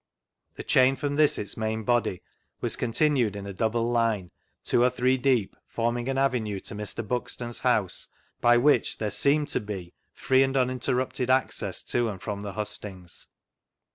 The chain from this its main body was continued in a double line, two or three deep, forming an avenue to Mr. Buxton's house, by which tAere leemed to be free and uninterrupted access to and from the hustings.